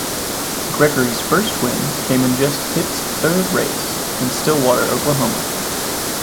Gregory's first win came in just his third race, in Stillwater, Oklahoma.